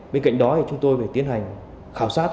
bên cạnh đó thì chúng tôi phải tiến hành khảo sát